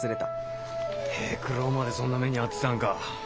平九郎までそんな目に遭ってたんか。